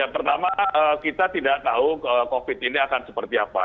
pertama kita tidak tahu covid ini akan seperti apa